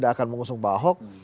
tidak akan mengusung pak ahok